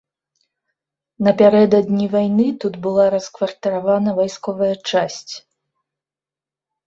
Напярэдадні вайны тут была раскватаравана вайсковая часць.